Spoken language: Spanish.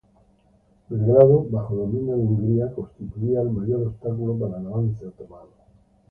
Belgrado, bajo dominio de Hungría, constituía el mayor obstáculo para el avance otomano.